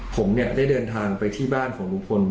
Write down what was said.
ผมเนี่ยได้เดินทางไปที่บ้านของลุงพล